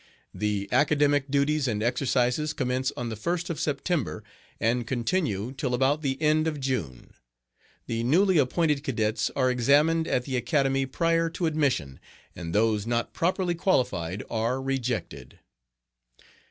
The academic duties and exercises commence on the 1st of September, and continue till about the end of June. The newly appointed cadets are examined at the Academy prior to admission, and those not properly qualified are rejected.